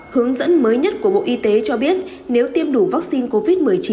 hướng dẫn mới nhất của bộ y tế cho biết nếu tiêm đủ vaccine covid một mươi chín